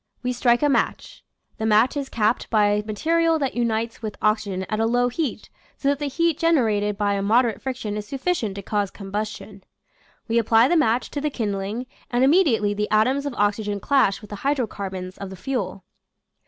We strike a match. The match is capped by material that unites with oxygen at a low heat, so that the heat gen erated by moderate friction is sufficient to cause combustion. We apply the match to the kindling and immediately the atoms of oxygen clash with the hydrocarbons of the fuel.